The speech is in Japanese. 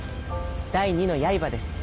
第二の刃です